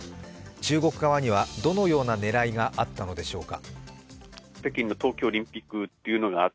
中国側には、どのような狙いがあったのでしょうか。